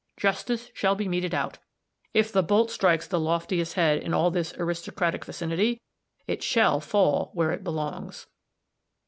Justice shall be meted out! If the bolt strikes the loftiest head in all this aristocratic vicinity, it shall fall where it belongs."